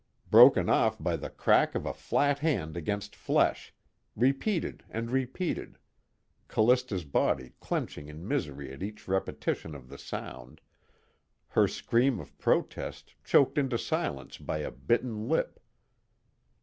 broken off by the crack of a flat hand against flesh, repeated and repeated, Callista's body clenching in misery at each repetition of the sound, her scream of protest choked into silence by a bitten lip.